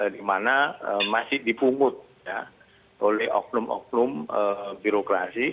di mana masih dipungut oleh oknum oknum birokrasi